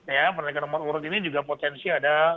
ya penelitian nomor urut ini juga potensi ada